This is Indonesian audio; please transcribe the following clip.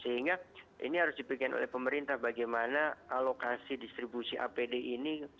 sehingga ini harus dipikirkan oleh pemerintah bagaimana alokasi distribusi apd ini bisa dikawal